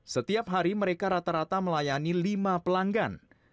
setiap hari mereka rata rata melayani lima pelanggan